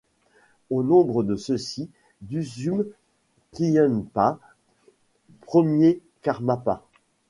Au nombre de ceux-ci, Düsum Khyenpa, premier Karmapa.